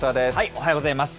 おはようございます。